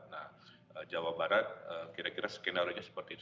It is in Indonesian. nah jawa barat kira kira skenario nya seperti itu